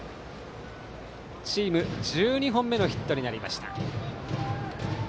チーム１２本目のヒットになりました。